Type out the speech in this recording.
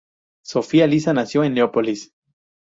Zofia Lissa nació en Leópolis.